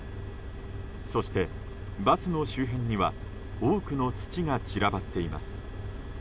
そしてバスの周辺には多くの土が散らばっています。